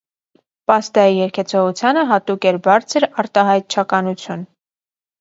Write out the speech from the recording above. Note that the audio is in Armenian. Պաստայի երգեցողությանը հատուկ էր բարձր արտահայտչականություն։